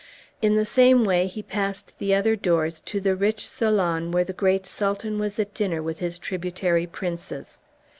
In the same way he passed the other doors to the rich saloon where the great Sultan was at dinner with his tributary princes.